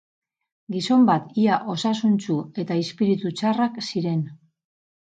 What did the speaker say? Gizon bat ia osasuntsu eta izpiritu txarrak ziren.